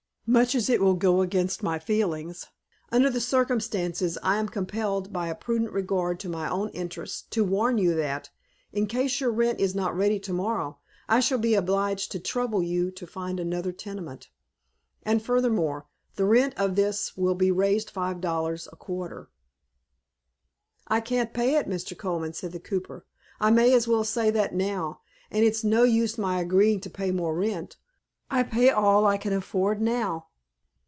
"Much as it will go against my feelings, under the circumstances I am compelled by a prudent regard to my own interests to warn you that, in case your rent is not ready to morrow, I shall be obliged to trouble you to find another tenement; and furthermore, the rent of this will be raised five dollars a quarter." "I can't pay it, Mr. Colman," said the cooper; "I may as well say that now; and it's no use my agreeing to pay more rent. I pay all I can afford now."